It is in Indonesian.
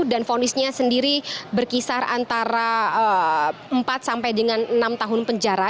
dan fondisnya sendiri berkisar antara empat sampai dengan enam tahun penjara